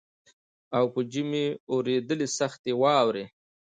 او په ژمي اورېدلې سختي واوري